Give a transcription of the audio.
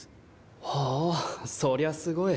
ほうそりゃすごい。